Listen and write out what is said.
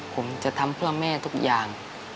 ผมจะทำเพื่อแม่ทุกอย่าง